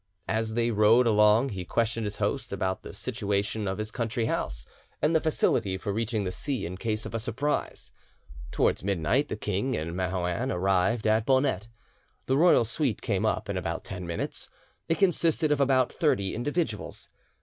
As they rode along he questioned his host about the situation of his country house and the facility for reaching the sea in case of a surprise. Towards midnight the king and Marouin arrived at Bonette; the royal suite came up in about ten minutes; it consisted of about thirty individuals.